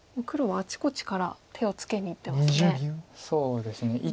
黒はあちこちから手をつけにいってますね。